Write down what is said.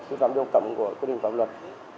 vi phạm điều tạm của quyết định pháp luật